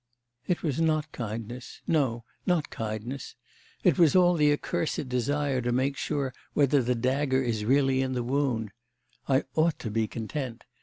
It was not kindness; no, not kindness. It was all the accursed desire to make sure whether the dagger is really in the wound. I ought to be content.